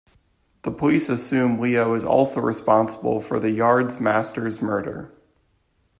The police assume Leo is also responsible for the yard master's murder.